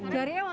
carinya mau apa